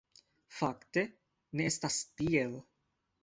Fakte ne estas tiel.